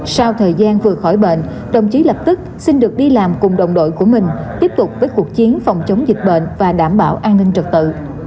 sau thời gian vừa khỏi bệnh đồng chí lập tức xin được đi làm cùng đồng đội của mình tiếp tục với cuộc chiến phòng chống dịch bệnh và đảm bảo an ninh trật tự